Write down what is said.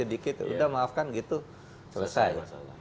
orangnya sedikit ya sudah maafkan gitu selesai